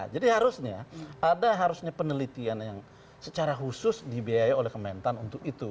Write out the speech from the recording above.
jadi harusnya ada harusnya penelitian yang secara khusus dibiayai oleh kementerian untuk itu